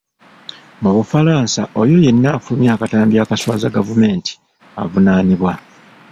Mu Bufalansa oyo yenna afulumya akatambi akaswaza gavumenti avunaanibwa.